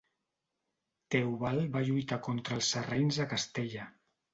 Teobald va lluitar contra els sarraïns a Castella.